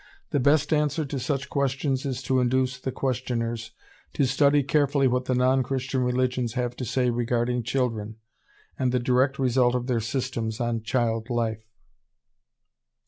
The best answer to such questions is to induce the questioners to study carefully what the non Christian religions have to say regarding children, and the direct result of their systems on child life.